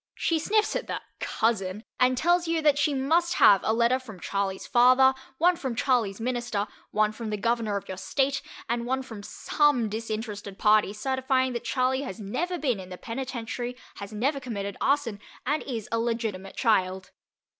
She sniffs at the "cousin" and tell's you that she must have a letter from Charley's father, one from Charley's minister, one from the governor of your state, and one from some disinterested party certifying that Charley has never been in the penitentiary, has never committed arson, and is a legitimate child.